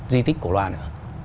di tích cổ loạn nữa